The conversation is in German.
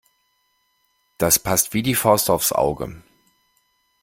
Das passt wie die Faust aufs Auge.